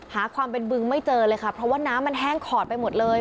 หาความเป็นบึงไม่เจอเลยค่ะเพราะว่าน้ำมันแห้งขอดไปหมดเลย